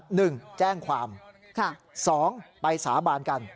หนึ่งแจ้งความค่ะสองไปสาบานกัน